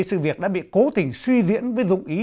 sự việc đã bị cố tình suy diễn với dụng ý